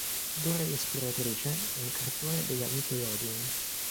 Dora l'esploratrice è un cartone della Nickelodeon.